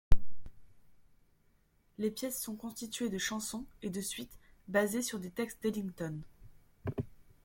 Les pièces sont constituées de chansons et de suites, basées sur des textes d'Ellington.